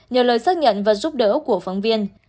nhờ lời xác nhận và giúp đỡ của phóng viên